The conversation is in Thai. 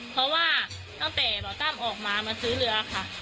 เพราะว่าตั้มออกมามาซื้อเรือค่ะ